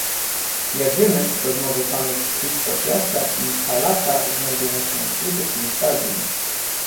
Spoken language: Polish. Jak wiemy, rozmowy panów Christofiasa i Talata znajdują się w krytycznym stadium